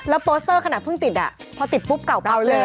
แล้วโปสเตอร์ขณะเพิ่งติดอะพอติดปุ๊บเก่าปั๊บเลย